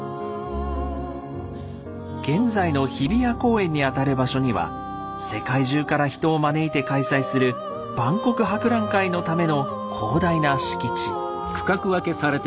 現在の日比谷公園にあたる場所には世界中から人を招いて開催する万国博覧会のための広大な敷地。